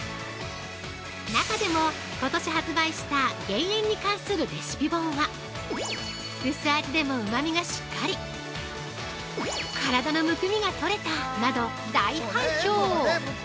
中でも、ことし発売した減塩に関するレシピ本は、「薄味でもうまみがしっかり！」「体のむくみが取れた！」など大反響！